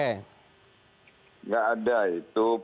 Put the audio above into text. tidak ada itu